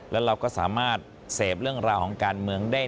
แล้วเราก็สามารถเสพเรื่องราวของการเมืองได้